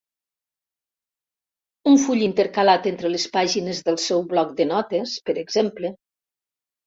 Un full intercalat entre les pàgines del seu bloc de notes, per exemple.